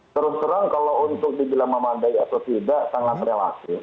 terus terang kalau untuk dibilang memandai atau tidak sangat relatif